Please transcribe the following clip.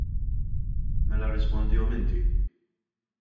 Mela rrispondihom inti.